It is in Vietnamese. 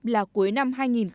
là cuối năm hai nghìn hai mươi một